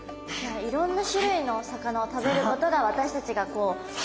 いろんな種類のお魚を食べることが私たちが貢献できることなんですね。